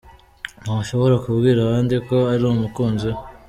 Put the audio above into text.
Ntashobora kubwira abandi ko uri umukunzi we.